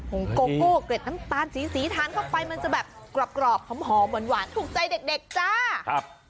หงกกรีดน้ำตาลสีทานเข้าไปมันจะแบบกรอบผมหอมเหมือนหวานถูกใจเด็กจ้า